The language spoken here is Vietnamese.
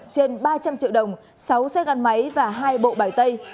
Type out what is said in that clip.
trên ba trăm linh triệu đồng sáu xe gắn máy và hai bộ bài tay